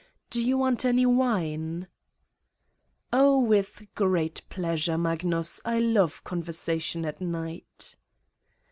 Do you want any wine?" "Oh, with pleasure, Magnus. I love conversa tion at night."